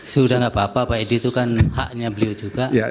sudah tidak apa apa pak edi itu kan haknya beliau juga